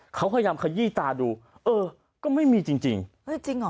เขาพยายามขยี้ตาดูเออก็ไม่มีจริง